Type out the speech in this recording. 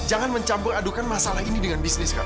jangan mencampur adukan masalah ini dengan bisnis kan